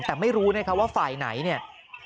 แต่ไม่รู้นะครับว่าฝ่ายไหนเนี่ย